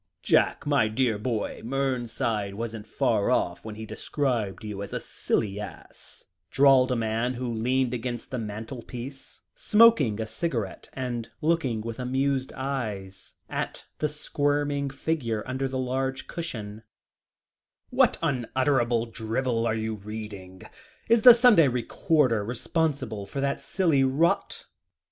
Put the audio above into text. "Jack, my boy, Mernside wasn't far wrong when he defined you as a silly ass," drawled a man who leant against the mantelpiece, smoking a cigarette, and looking with amused eyes at the squirming figure under the large cushion; "what unutterable drivel are you reading? Is the Sunday Recorder responsible for that silly rot?"